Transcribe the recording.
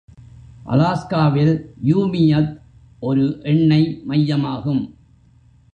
அலாஸ்காவில் யூமியத் ஒரு எண்ணெய் மையமாகும்.